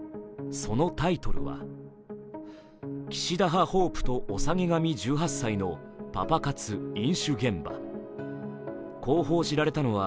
そのタイトルは「岸田派ホープとおさげ髪１８歳のパパ活飲酒現場」こう報じられたのは